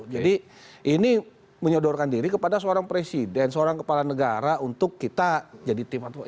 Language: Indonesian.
jadi ini menyodorkan diri kepada seorang presiden seorang kepala negara untuk kita jadi tim advokat